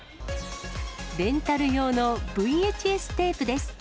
レンタル用のＶＨＳテープです。